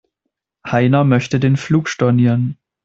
Heiner möchte den Flug stornieren.